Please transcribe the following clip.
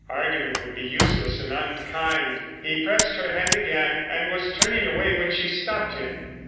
Argument would be useless and unkind. He pressed her hand again and was turning away when she stopped him.